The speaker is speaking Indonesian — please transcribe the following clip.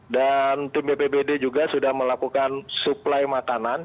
dan tim bppd juga sudah melakukan suplai makanan